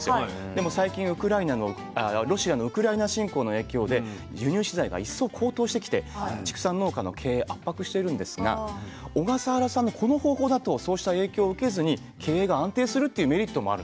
でも最近ロシアのウクライナ侵攻の影響で輸入飼料が一層高騰してきて畜産農家の経営圧迫しているんですが小笠原さんのこの方法だとそうした影響を受けずに経営が安定するっていうメリットもあるんですね。